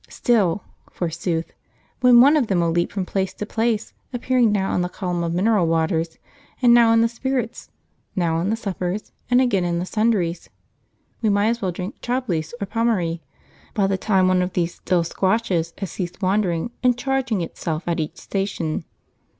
'Still' forsooth! when one of them will leap from place to place, appearing now in the column of mineral waters and now in the spirits, now in the suppers, and again in the sundries. We might as well drink Chablis or Pommery by the time one of these still squashes has ceased wandering, and charging itself at each station.